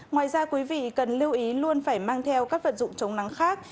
ngoài ra quý vị cần lưu ý luôn phải mang theo các vật dụng chống nắng khác